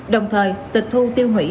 đồng thời tịch thu tiêu hủy